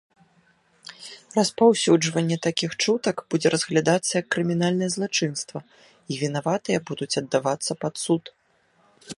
Распаўсюджванне такіх чутак будзе разглядацца як крымінальнае злачынства, і вінаватыя будуць аддавацца пад суд.